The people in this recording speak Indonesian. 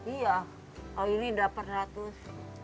iya kalau ini dapat ratus